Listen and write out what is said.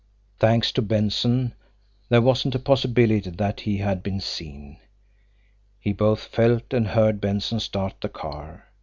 Thanks to Benson, there wasn't a possibility that he had been seen. He both felt and heard Benson start the car.